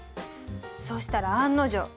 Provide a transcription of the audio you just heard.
そしたら案の定。